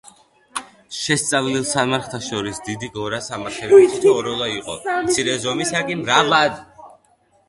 შესწავლილ სამარხთა შორის დიდი გორასამარხები თითო-ოროლა იყო, მცირე ზომისა კი მრავლად.